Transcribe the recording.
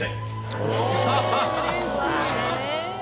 うれしい。